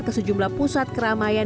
ke sejumlah pusat keramaian